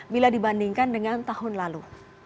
bila dibandingkan dengan tahun lalu